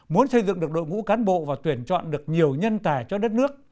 muốn xây dựng được đội ngũ cán bộ và tuyển chọn được nhiều nhân tài cho đất nước